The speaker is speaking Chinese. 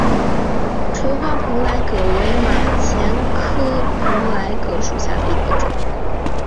垂花蓬莱葛为马钱科蓬莱葛属下的一个种。